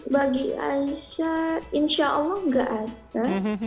bagi aisyah insya allah gak ada